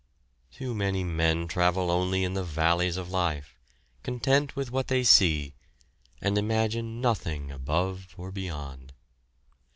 Too many men travel only in the valleys of life, content with what they see; and imagine nothing above or beyond.